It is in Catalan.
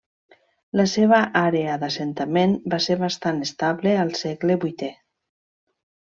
La seva àrea d'assentament va ser bastant estable al segle vuitè.